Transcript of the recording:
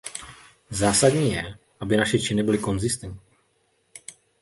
Zásadní je, aby naše činy byly konzistentní.